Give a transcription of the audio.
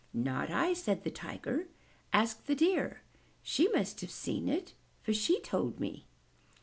"Not I," said the Tiger. "Ask the Deer! She must have seen it, for she told me!"